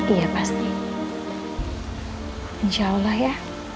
insya allah ya